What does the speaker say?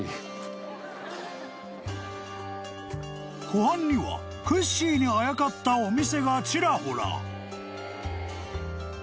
［湖畔にはクッシーにあやかったお店がちらほら］